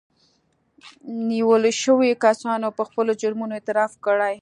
نيول شويو کسانو په خپلو جرمونو اعتراف کړی